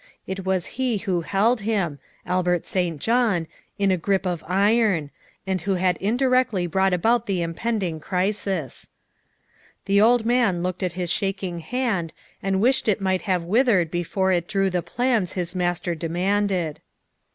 It was he who held him Albert St. John in a grip of iron, and who had indirectly brought about the impending crisis. The old man looked at his shaking hand and wished it might have withered before it drew the plans his master demanded.